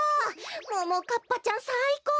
ももかっぱちゃんさいこう！